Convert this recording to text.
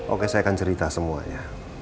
oke saya akan cerita semuanya